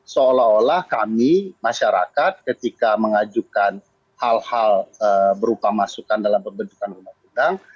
seolah olah kami masyarakat ketika mengajukan hal hal berupa masukan dalam pembentukan undang undang